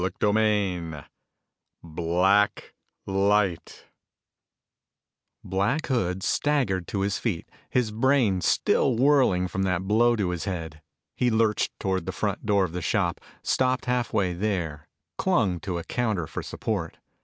CHAPTER XII Black Light Black Hood staggered to his feet, his brain still whirling from that blow to his head. He lurched toward the front door of the shop, stopped half way there, clung to a counter for support.